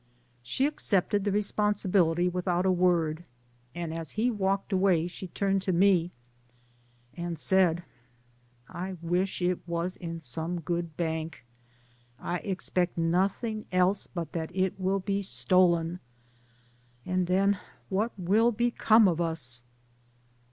She accepted the responsi bility without a word, and as he walked away she turned to me, and said, "I wish it was in some good bank, I expect nothing else but that it will be stolen, and then what will be come of us